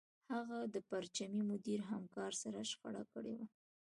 هغه د پرچمي مدیر همکار سره شخړه کړې وه